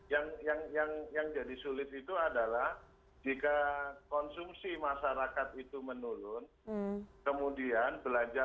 yang yang jadi sulit itu adalah jika konsumsi masyarakat itu menurun kemudian belanja